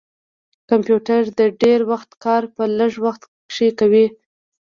کمپیوټر د ډير وخت کار په لږ وخت کښې کوي